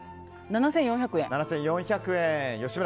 ７４００円。